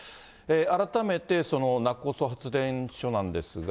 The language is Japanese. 改めてその勿来発電所なんですが。